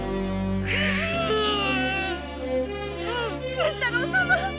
源太郎様！